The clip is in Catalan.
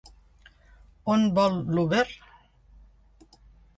On vol l'Uber?